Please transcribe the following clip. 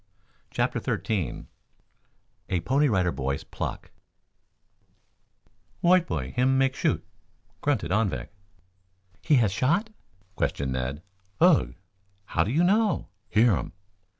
CHAPTER XIII A PONY RIDER BOY'S PLUCK "White boy him make shoot," grunted Anvik. "He has shot?" questioned Ned. "Ugh." "How do you know?" "Hear um."